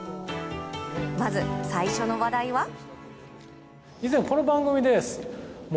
まず最初の話題は。